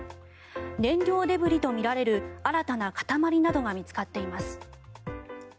燃料デブリとみられる新たな塊などが見つかっています。